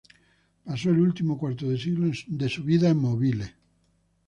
Pasó el último cuarto de siglo de su vida en Mobile.